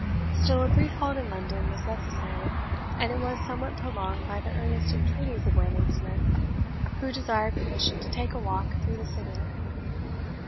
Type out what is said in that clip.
Still a brief halt in London was necessary; and it was somewhat prolonged by the earnest entreaties of Wayland Smith, who desired permission to take a walk through the city.